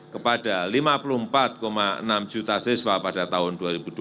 kepada lima puluh empat enam juta siswa pada tahun dua ribu dua puluh